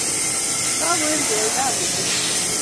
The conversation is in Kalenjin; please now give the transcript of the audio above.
Kakoil keldap ngecheret